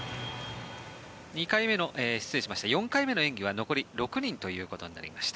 ４回目の演技は残り６人となりました。